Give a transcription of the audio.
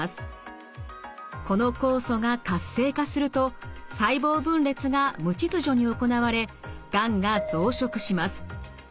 この酵素が活性化すると細胞分裂が無秩序に行われがんが増殖します。